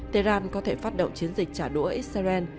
tehran có thể phát động chiến dịch trả đũa israel